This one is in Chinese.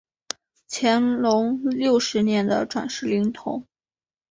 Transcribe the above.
乾隆六十年的转世灵童。